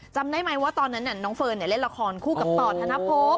จำได้ไหมว่าตอนนั้นน้องเฟิร์นเล่นละครคู่กับต่อธนภพ